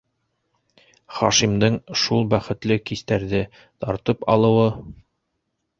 Хашимдың шул бәхетле кистәрҙе тартып алыуы...